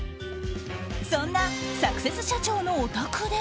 そんなサクセス社長のお宅で。